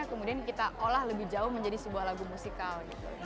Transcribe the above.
kemudian kita olah lebih jauh menjadi sebuah lagu musikal